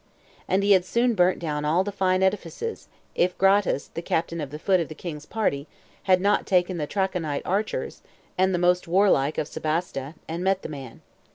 And he had soon burnt down all the fine edifices, if Gratus, the captain of the foot of the king's party, had not taken the Trachonite archers, and the most warlike of Sebaste, and met the man.